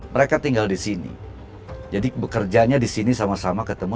mereka tinggal di sini jadi bekerjanya di sini sama sama ketemu